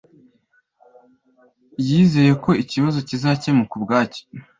yizeye ko ikibazo kizakemuka ubwacyo